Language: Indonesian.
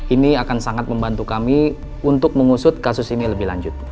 ini akan sangat membantu kami untuk mengusut kasus ini lebih lanjut